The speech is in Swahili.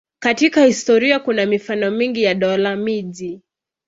Katika historia kuna mifano mingi ya dola-miji.